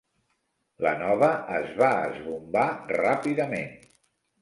La nova es va esbombar ràpidament.